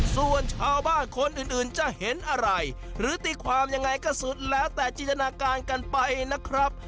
ส่วนชาวบ้านคนอื่นจะเห็นอะไรหรือตีความยังไงก็สุดแล้วแต่จินตนาการกันไปนะครับ